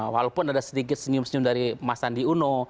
walaupun ada sedikit senyum senyum dari mas andi uno